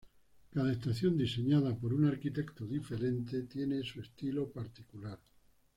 Cada estación, diseñada por un arquitecto diferente, tiene su estilo particular.